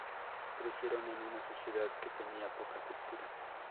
Crecieron en una sociedad que tenía poca cultura.